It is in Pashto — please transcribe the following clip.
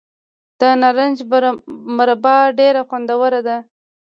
د نارنج مربا ډیره خوندوره ده.